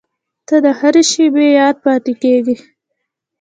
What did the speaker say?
• ته د هر شېبې یاد پاتې کېږې.